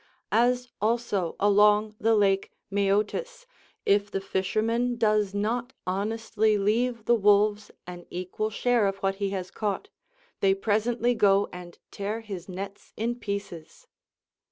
As also along the lake Mæotis, if the fisherman does not honestly leave the wolves an equal share of what he has caught, they presently go and tear his nets in pieces.